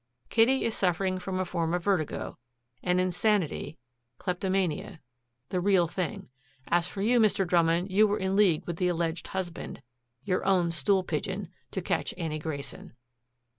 Kitty is suffering from a form of vertigo, an insanity, kleptomania, the real thing. As for you, Mr. Drummond, you were in league with the alleged husband your own stool pigeon to catch Annie Grayson."